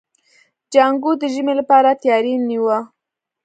جانکو د ژمي لپاره تياری نيوه.